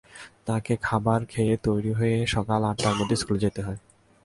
তাকে খাবার খেয়ে তৈরি হয়ে সকাল আটটার মধ্যে স্কুলে পৌঁছাতে হয়।